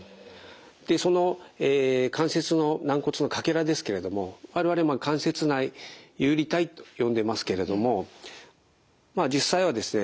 でその関節の軟骨のかけらですけれども我々関節内遊離体と呼んでますけれども実際はですね